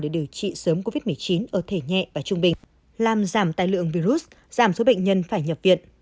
để điều trị sớm covid một mươi chín ở thể nhẹ và trung bình làm giảm tài lượng virus giảm số bệnh nhân phải nhập viện